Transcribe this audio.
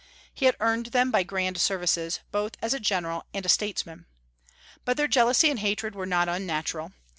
He had earned them by grand services, both as a general and a statesman. But their jealousy and hatred were not unnatural.